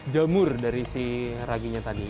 jamur dari si raginya tadi